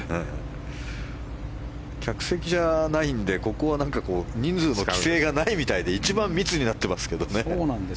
客席じゃないのでここは人数の規制がないみたいで一番密になっていますけどね。